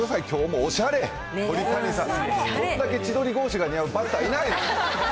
こんだけ千鳥格子が似合うバッターいない。